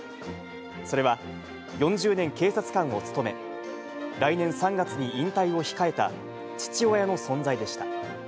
それは、４０年警察官を務め、来年３月に引退を控えた父親の存在でした。